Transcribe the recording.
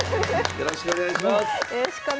よろしくお願いします。